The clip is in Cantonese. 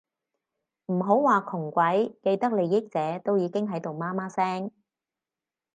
唔好話窮鬼，既得利益者都已經喺度媽媽聲